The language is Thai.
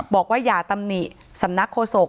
บอกว่าอย่าตำหนิสำนักโฆษก